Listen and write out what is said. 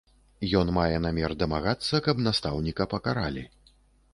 Ён мае намер дамагацца, каб настаўніка пакаралі.